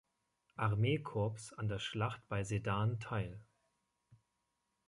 Armee-Korps an der Schlacht bei Sedan teil.